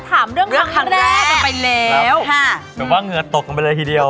ถามเรื่องครั้งแรกกันไปแล้วค่ะแบบว่าเหงื่อตกกันไปเลยทีเดียว